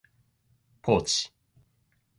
ポーチ